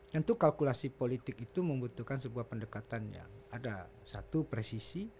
tentu kalkulasi politik itu membutuhkan sebuah pendekatan yang ada satu presisi